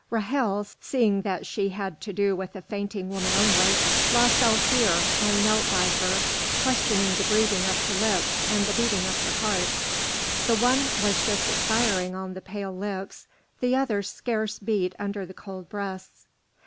Ra'hel, seeing that she had to do with a fainting woman only, lost all fear and knelt by her, questioning the breathing of her lips and the beating of her heart; the one was just expiring on the pale lips, the other scarce beat under the cold breasts.